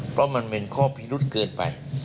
เพราะมันเป็นข้อพิรุษเกินไป